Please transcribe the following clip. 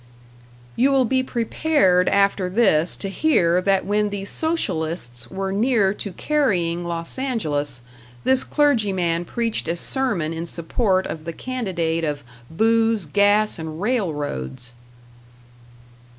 You will be prepared after this to hear that when the Socialists were near to carrying Los Angeles, this clergyman preached a sermon in support of the candidate of "Booze, Gas and Railroads".